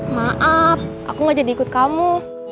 maaf aku gak jadi ikut kamu